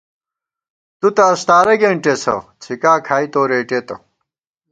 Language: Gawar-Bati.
تُو تہ استارہ کېنٹېسہ، څھِکا کھائی تو رېٹېتہ